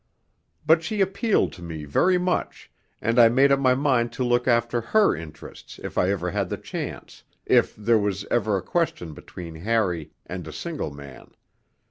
But she appealed to me very much, and I made up my mind to look after her interests if I ever had the chance, if there was ever a question between Harry and a single man.